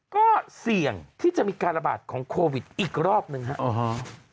ก็เสี่ยงที่จะมีการระบาดของโควิดอีกรอบหนึ่งครับ